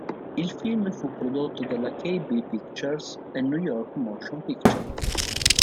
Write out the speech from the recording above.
Il film fu prodotto dalla Kay-Bee Pictures e New York Motion Picture.